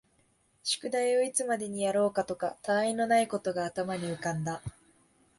宿題をいつまでにやろうかとか、他愛のないことが頭に浮んだ